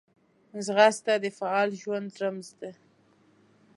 ځغاسته د فعال ژوند رمز ده